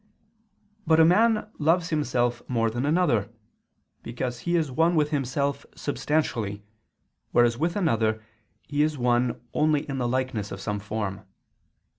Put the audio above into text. But a man loves himself more than another: because he is one with himself substantially, whereas with another he is one only in the likeness of some form.